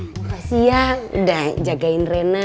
makasih ya udah jagain rena